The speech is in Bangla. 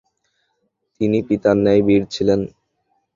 তিনি পিতার ন্যায় বীর ছিলেন।